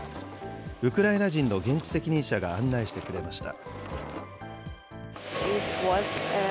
ウクライナ人の現地責任者が案内してくれました。